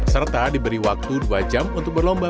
serta diberi waktu dua jam untuk berlomba